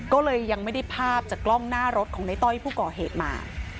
ก็เลยยังไม่ได้ภาพจากกล้องหน้ารถของในต้อยผู้ก่อเหตุมา